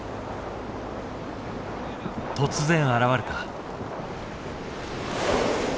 突然現れた。